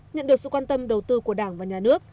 nhận được sự quan tâm đầu tư của đảng và nhà nước